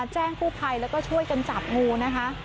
แจ้งกู้ภัยแล้วก็ช่วยกันจับงูนะคะ